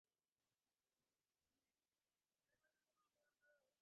অন্তর্বাসেও জঘন্য দুর্গন্ধ।